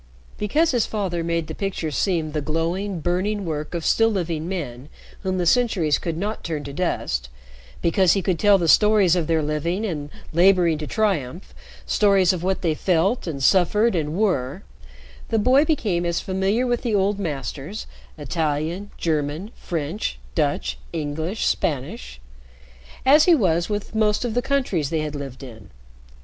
Because his father made the pictures seem the glowing, burning work of still living men whom the centuries could not turn to dust, because he could tell the stories of their living and laboring to triumph, stories of what they felt and suffered and were, the boy became as familiar with the old masters Italian, German, French, Dutch, English, Spanish as he was with most of the countries they had lived in.